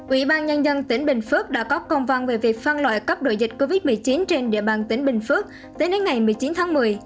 ủy ban nhân dân tỉnh bình phước đã có công văn về việc phân loại cấp đội dịch covid một mươi chín trên địa bàn tỉnh bình phước tính đến ngày một mươi chín tháng một mươi